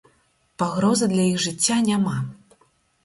Пагрозы для іх жыцця няма.